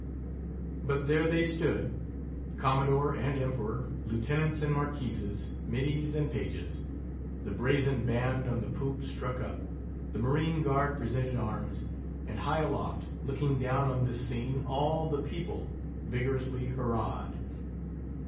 But there they stood! Commodore and Emperor, Lieutenants and Marquises, middies and pages! The brazen band on the poop struck up; the marine guard presented arms; and high aloft, looking down on this scene, all the people vigorously hurraed.